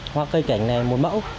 hoa cây cảnh này một mẫu